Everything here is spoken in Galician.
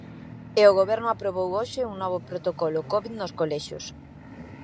E o Goberno aprobou hoxe o novo protocolo covid nos colexios.